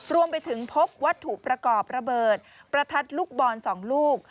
รวมไปถึงพบวัตถุประกอบระเบิดประทัดลูกบอล๒ลูก